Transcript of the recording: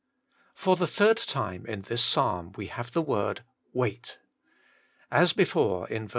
FOR the third time in this psabn we have the word wait. As before in ver.